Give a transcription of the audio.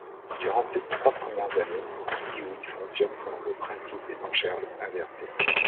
Durant ses trois premières années, Kidioui fonctionne selon le principe des enchères inversées.